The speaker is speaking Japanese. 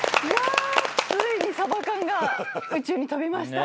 ついにサバ缶が宇宙に飛びましたね。